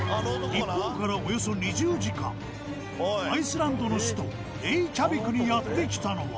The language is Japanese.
日本からおよそ２０時間アイスランドの首都レイキャビクにやって来たのは。